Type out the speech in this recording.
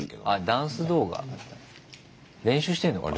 ダンス動画練習してんのか。